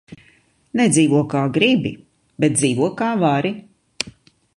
Nedzīvo, kā gribi, bet dzīvo, kā vari.